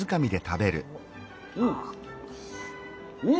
うん。